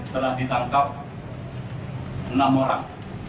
telah ditangkap enam orang